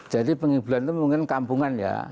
jadi penghiburan itu mungkin kampungan ya